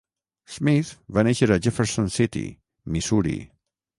Smith va néixer a Jefferson City, Missouri.